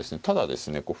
ただですね